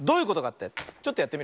ちょっとやってみるからね。